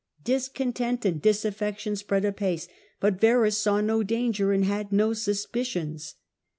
Discom tent and disaffection spread apace, but Varus saw no danger and had no suspicions.